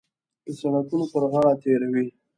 د سړکونو پر غاړو تېروي.